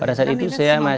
pada saat itu saya masih